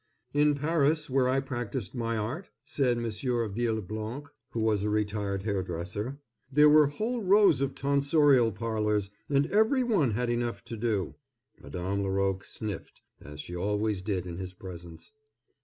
"In Paris, where I practised my art," said Monsieur Villeblanc, who was a retired hairdresser, "there were whole rows of tonsorial parlors, and every one had enough to do." Madame Laroque sniffed, as she always did in his presence.